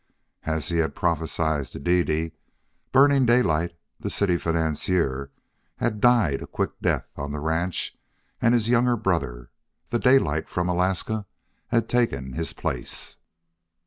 As he had prophesied to Dede, Burning Daylight, the city financier, had died a quick death on the ranch, and his younger brother, the Daylight from Alaska, had taken his place.